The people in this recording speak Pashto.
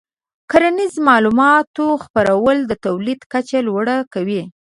د کرنیزو معلوماتو خپرول د تولید کچه لوړه کوي.